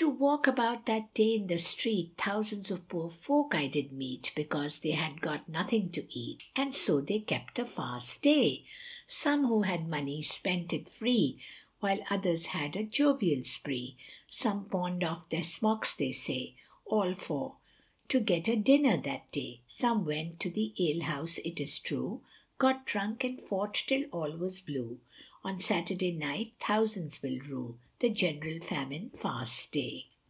To walk about that day in the street, Thousands of poor folk I did meet, Because they had got nothing to eat, And so they kept the fast day. Some who had money spent it free, While others had a jovial spree, Some pawned off their smocks they say, All for to get a dinner that day, Some went to the alehouse it is true, Got drunk and fought till all was blue; On Saturday night thousands will rue The general famine fast day.